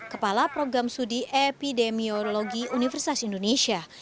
kepala program studi epidemiologi universitas indonesia